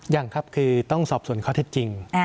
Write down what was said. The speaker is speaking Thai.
ยังครับคือต้องสอบส่วนข้อเท็จจริง